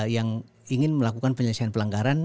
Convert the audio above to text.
yang ingin melakukan penyelesaian pelanggaran